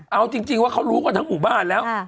เอาจริงว่าเขารู้กันทั้งหมู่บ้านแล้ว